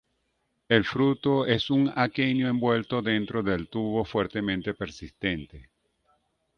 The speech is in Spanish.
El fruto es un aquenio envuelto dentro del tubo fuertemente persistente.